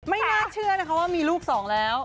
ไม่น่าเชื่อนะคะว่ามีลูกสองแล้ว